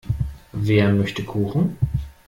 Wer möchte Kuchen?